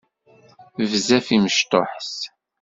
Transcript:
Bezzaf i mecṭuḥet.